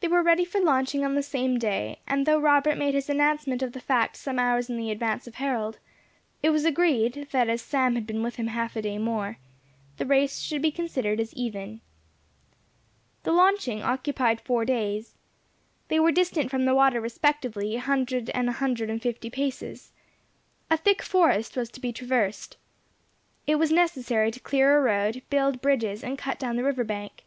They were ready for launching on the same day; and though Robert made his announcement of the fact some hours in the advance of Harold, it was agreed, that as Sam had been with him half a day more, the race should be considered as even. The launching occupied four days. They were distant from the water respectively an hundred and an hundred and fifty paces. A thick forest was to be traversed. It was necessary to clear a road, build bridges, and cut down the river bank.